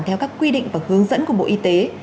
theo các quy định và hướng dẫn của bộ y tế